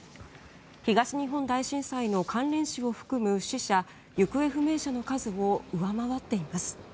東日本大震災の関連死を含む死者・行方不明者の数を上回っています。